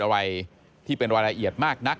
อะไรที่เป็นรายละเอียดมากนัก